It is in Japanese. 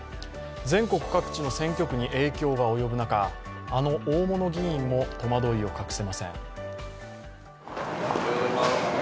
全国各地の選挙区に影響が及ぶ中、あの大物議員も戸惑いを隠せません。